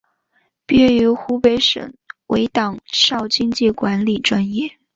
毕业于湖北省委党校经济管理专业。